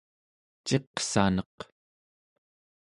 ciqsaneq